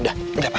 udah udah pak